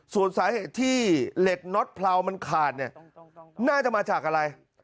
ส่วนสาเหตุที่เหล็กน็อตเพรามันขาดเนี่ยน่าจะมาจากอะไร